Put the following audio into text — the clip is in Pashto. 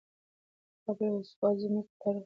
کابل او سوات زموږ د تاریخ او ننګ دوه پاڼې دي.